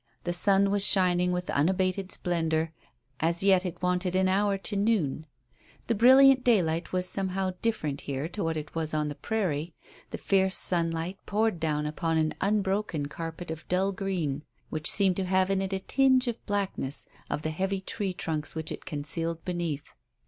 The sun was shining with unabated splendour; as yet it wanted an hour to noon. The brilliant daylight was somehow different here to what it was on the prairie. The fierce sunlight poured down upon an unbroken carpet of dull green, which seemed to have in it a tinge of the blackness of the heavy tree trunks which it concealed beneath.